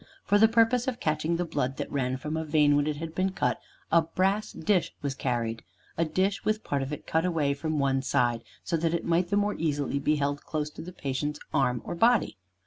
For the purpose of catching the blood that ran from a vein when it had been cut, a brass dish was carried, a dish with part of it cut away from one side, so that it might the more easily be held close to the patient's arm or body.